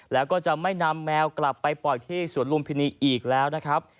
แล้วก็จะไม่นำแมวกลับไปปล่อยที่สวนลุมพินีอีกแล้วนะครับ